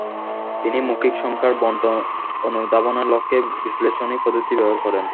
তিনি মৌলিক সংখ্যার বণ্টন অনুধাবনের লক্ষ্যে বিশ্লেষণী পদ্ধতি ব্যবহার করেন।